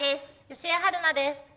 吉江晴菜です。